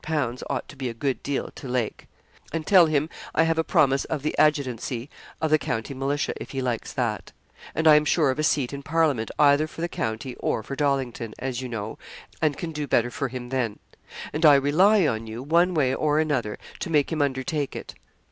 ought to be a good deal to Lake; and tell him I have a promise of the adjutancy of the county militia, if he likes that; and I am sure of a seat in Parliament either for the county or for Dollington, as you know, and can do better for him then; and I rely on you, one way or another, to make him undertake it.